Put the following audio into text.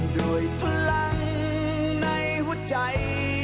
ด้วยพลังในหัวใจ